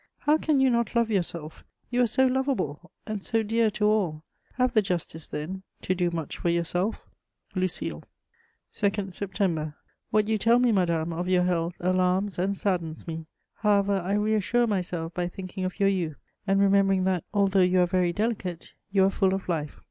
How can you not love yourself? You are so lovable and so dear to all: have the justice, then, to do much for yourself. "LUCILE." "2 September. "What you tell me, madame, of your health alarms and saddens me; however, I reassure myself by thinking of your youth and remembering that, although you are very delicate, you are full of life.